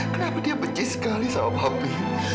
kenapa dia benci sekali sama hobi